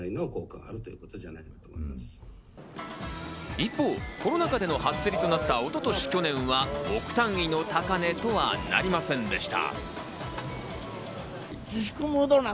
一方、コロナ禍での初競りとなった一昨年、去年は億単位の高値とはなりませんでした。